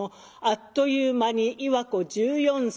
あっという間に岩子１４歳。